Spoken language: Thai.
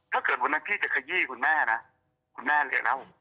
ถ้าเกิดวันนั้นพี่จะขยี้คุณแม่นะคุณแม่เรียกนะผม